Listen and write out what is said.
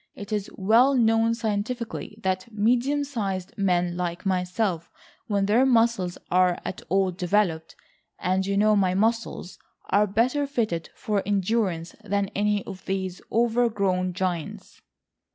It is well known scientifically that medium sized men like myself, when their muscles are at all developed (and you know my muscles), are better fitted for endurance than any of these over grown giants."